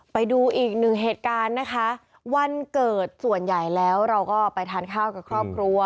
ไปดูอีกหนึ่งเหตุการณ์นะคะวันเกิดส่วนใหญ่แล้วเราก็ไปทานข้าวกับครอบครัว